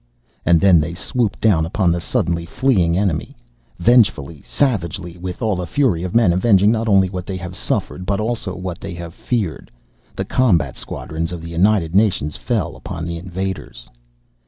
And then they swooped down upon the suddenly fleeing enemy. Vengefully, savagely, with all the fury of men avenging not only what they have suffered, but also what they have feared, the combat squadrons of the United Nations fell upon the invaders.